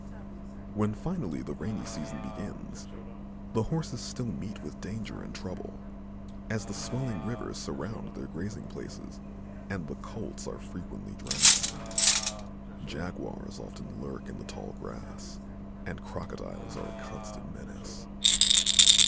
When finally the rainy season begins, the Horses still meet with danger and trouble, as the swelling rivers surround their grazing places and the colts are frequently drowned. Jaguars often lurk in the tall grass and crocodiles are a constant menace.